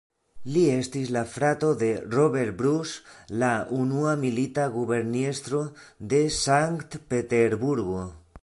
Li estis la frato de "Robert Bruce", la unua milita guberniestro de Sankt-Peterburgo.